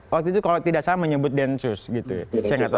waktu itu kalau tidak salah menyebut densus gitu ya